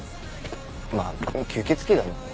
まあ吸血鬼だもんな。